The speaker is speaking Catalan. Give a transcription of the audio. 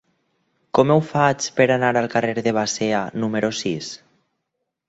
Com ho faig per anar al carrer de Basea número sis?